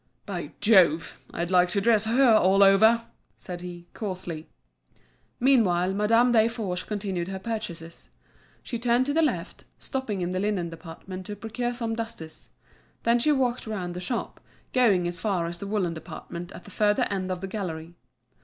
"By Jove! I'd like to dress her all over!" said he, coarsely. Meanwhile, Madame Desforges continued her purchases. She turned to the left, stopping in the linen department to procure some dusters; then she walked round the shop, going as far as the woollen department at the further end of the gallery.